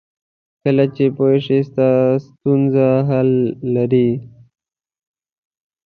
کله چې پوه شې ستا ستونزه حل لري.